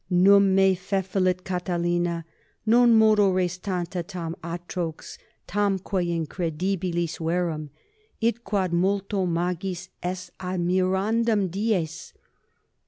Num me fefellit, Catilina, non modo res tanta, tam atrox tamque incredibilis, verum, id quod multo magis est admirandum, dies?